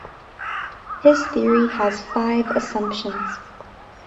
His theory has five assumptions.